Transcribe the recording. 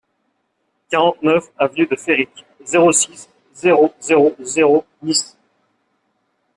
quarante-neuf avenue de Féric, zéro six, zéro zéro zéro, Nice